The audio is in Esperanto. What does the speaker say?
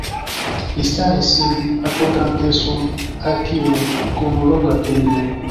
Li staris, sin apogante sur hakilo kun longa tenilo.